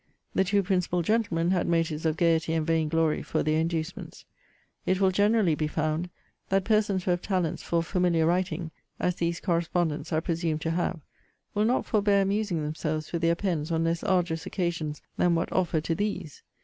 The two principal gentlemen had motives of gaiety and vain glory for their inducements. It will generally be found, that persons who have talents for familiar writing, as these correspondents are presumed to have, will not forbear amusing themselves with their pens on less arduous occasions than what offer to these.